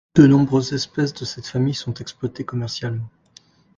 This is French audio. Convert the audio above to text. De nombreuses espèces de cette famille sont exploitées commercialement.